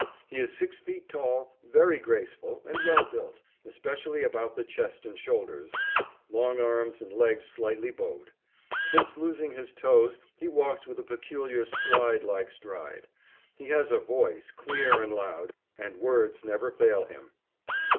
He is six feet tall, very graceful, and well built, especially about the chest and shoulders; long arms, and legs slightly bowed. Since losing his toes, he walks with a peculiar slide like stride. He has a voice clear and loud, and words never fail him.